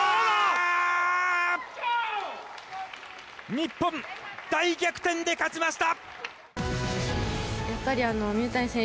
日本、大逆転で勝ちました！